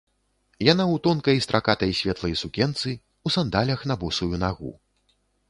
Яна ў тонкай стракатай светлай сукенцы, у сандалях на босую нагу.